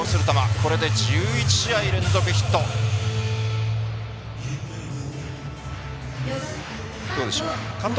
これで１１試合連続ヒット。